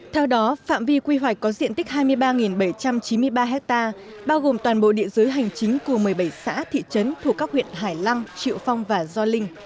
theo đó phạm vi quy hoạch có diện tích hai mươi ba bảy trăm chín mươi ba ha bao gồm toàn bộ địa giới hành chính của một mươi bảy xã thị trấn thuộc các huyện hải lăng triệu phong và gio linh